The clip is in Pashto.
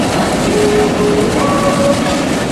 که دوکانداران د خپلو هټیو مخه پاکه کړي، نو بازار نه چټلیږي.